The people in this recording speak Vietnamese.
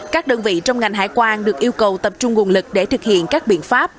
các đơn vị trong ngành hải quan được yêu cầu tập trung nguồn lực để thực hiện các biện pháp